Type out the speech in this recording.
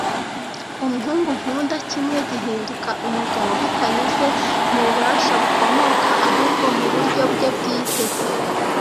Umuhungu nkunda, kimwe gihinduka umugabo bitanyuze mububasha bukomoka, ahubwo muburyo bwe bwite,